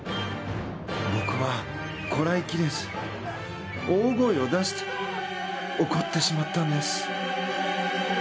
僕は、こらえきれず大声を出して怒ってしまったんです。